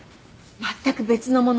まったく別の物。